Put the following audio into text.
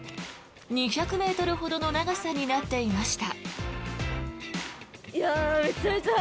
２００ｍほどの長さになっていました。